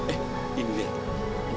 eh ini dia